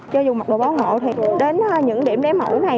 do dùng mặc đồ báo hộ thì đến những điểm lấy mẫu này